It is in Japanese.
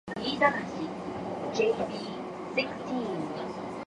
ふぇ ｒｖｆｒｖｊ きえ ｖ へ ｒｊｃｂ れ ｌｈｃ れ ｖ け ｒｊ せ ｒｋｖ じぇ ｓ